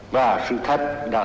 và sự thật đạt được